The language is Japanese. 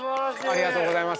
ありがとうございます。